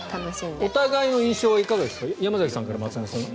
お互いの印象はいかがですか？